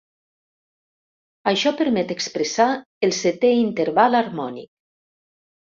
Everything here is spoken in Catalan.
Això permet expressar el setè interval harmònic.